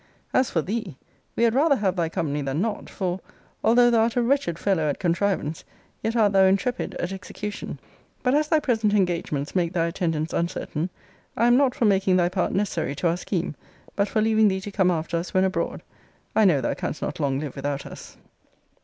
As for THEE, we had rather have thy company than not; for, although thou art a wretched fellow at contrivance, yet art thou intrepid at execution. But as thy present engagements make thy attendance uncertain, I am not for making thy part necessary to our scheme; but for leaving thee to come after us when abroad. I know thou canst not long live without us.